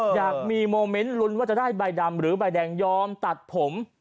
อยากมีโมเมนต์ลุ้นว่าจะได้ใบดำหรือใบแดงยอมตัดผม